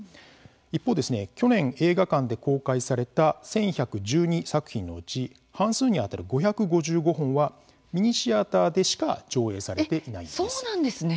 一方、去年映画館で公開された１１１２作品のうち半数にあたる５５５本はミニシアターでしかそうなんですね。